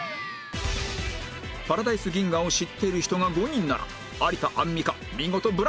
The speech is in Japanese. パラダイス銀河を知っている人が５人なら有田・アンミカ見事ブラックジャック